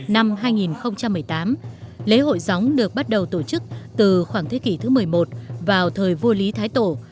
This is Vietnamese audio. năm hai nghìn một mươi tám lễ hội gióng được bắt đầu tổ chức từ khoảng thế kỷ thứ một mươi một vào thời vua lý thái tổ